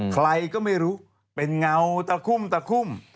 ใครก็ไม่รู้เป็นเงาตะคุ่ม